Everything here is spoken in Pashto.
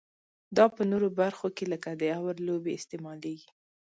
دا په نورو برخو کې لکه د اور لوبې استعمالیږي.